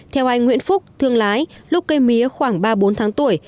theo anh nguyễn phúc thương lái lúc cây mía khoảng ba bốn tháng tuổi